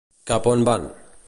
Cap a on van?